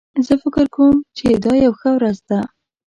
زه فکر کوم چې دا یو ښه ورځ ده